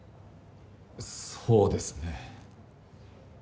そうですね。